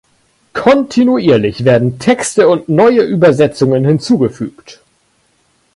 Kontinuierlich werden Texte und neue Übersetzungen hinzugefügt.